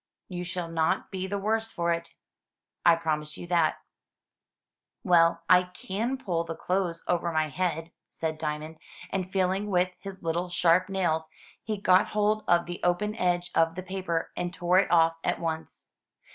"You shall not be the worse for it — I promise you that." 424 THROUGH FAIRY HALLS "Well, I can pull the clothes over my head/* said Diamond, and feeling with his little sharp nails, he got hold of the open edge of the paper and tore it off at once.